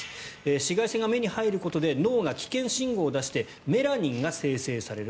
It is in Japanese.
紫外線が目に入ることで脳が危険信号を出してメラニンが生成される。